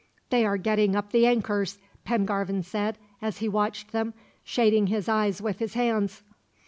"They are getting up the anchors," Pengarvan said, as he watched them, shading his eyes with his hands.